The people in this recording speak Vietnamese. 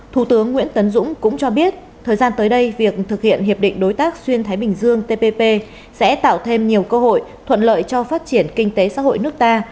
thủ tướng nguyễn tấn dũng cũng cho biết thời gian tới đây việc thực hiện hiệp định đối tác xuyên thái bình dương tpp sẽ tạo thêm nhiều cơ hội thuận lợi cho phát triển kinh tế xã hội nước ta